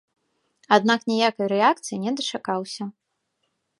Аднак ніякай рэакцыі не дачакаўся.